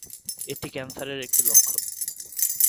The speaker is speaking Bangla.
এটি ক্যান্সারের একটি লক্ষণ।